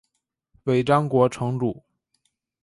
尾张国城主。